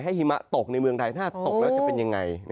หิมะตกในเมืองไทยถ้าตกแล้วจะเป็นยังไง